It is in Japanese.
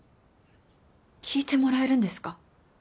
聞いてもらえるんですか？